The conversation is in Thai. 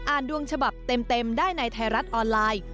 ดวงฉบับเต็มได้ในไทยรัฐออนไลน์